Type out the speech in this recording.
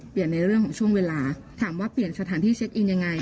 ในเรื่องของช่วงเวลาถามว่าเปลี่ยนสถานที่เช็คอินยังไง